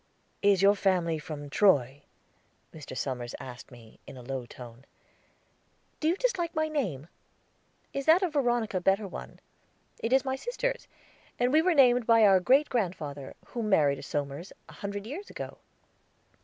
"Is your family from Troy?" Mr. Somers asked me, in a low tone. "Do you dislike my name? Is that of Veronica a better one? It is my sister's, and we were named by our great grandfather, who married a Somers, a hundred years ago."